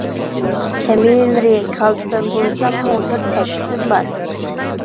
كەمىنىلىرى كالتە پەم بولساممۇ بىر تەكلىپىم بار.